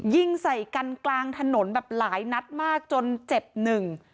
ยิงใส่กันกลางถนนแบบหลายนัดมากจนเจ็บหนึ่ง